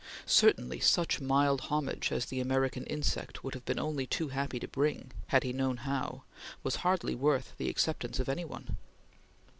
Certainly such mild homage as the American insect would have been only too happy to bring, had he known how, was hardly worth the acceptance of any one.